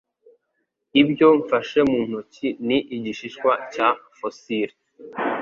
Ibyo mfashe mu ntoki ni igishishwa cya fosile.